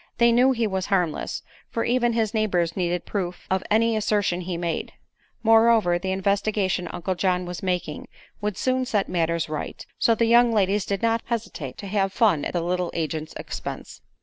They knew he was harmless, for even his neighbors needed proof of any assertion he made; moreover, the investigation Uncle John was making would soon set matters right; so the young ladies did not hesitate to "have fun" at the little agent's expense.